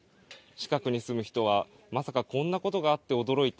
近くに住む人はまさかこんなことがあって驚いた。